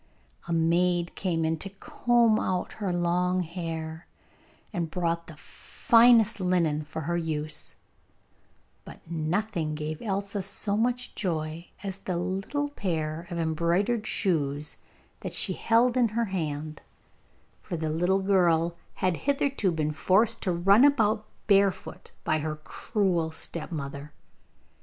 A maid came in to comb out her long hair, and brought the finest linen for her use; but nothing gave Elsa so much joy as the little pair of embroidered shoes that she held in her hand, for the girl had hitherto been forced to run about barefoot by her cruel stepmother.